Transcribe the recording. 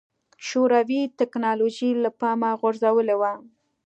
شوروي ټکنالوژي له پامه غورځولې وه.